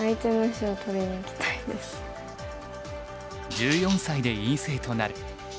１４歳で院生となる。